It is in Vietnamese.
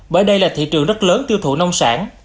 bởi đây là thị trường rất lớn tiêu thụ nông sản